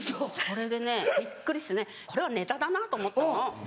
それでねびっくりしてこれはネタだなと思ったの。